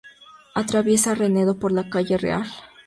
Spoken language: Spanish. Atraviesa Renedo por la calle Real.